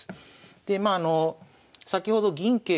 でまああの先ほど銀桂香と。